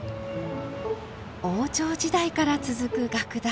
王朝時代から続く楽団か。